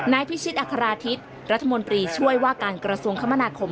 พิชิตอัคราธิตรัฐมนตรีช่วยว่าการกระทรวงคมนาคม